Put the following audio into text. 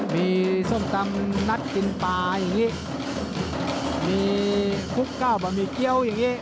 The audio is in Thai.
มีส้มตำนัดกินปลาอย่างนี้มีคุกก้าวบะหมี่เกี้ยวอย่างนี้